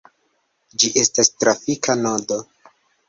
Ĝi estas trafika nodo.